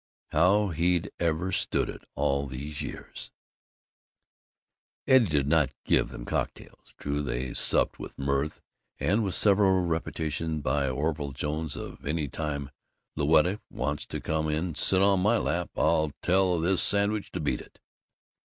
How he'd ever stood it all these years Eddie did not give them cocktails. True, they supped with mirth, and with several repetitions by Orville Jones of "Any time Louetta wants to come sit on my lap I'll tell this sandwich to beat it!"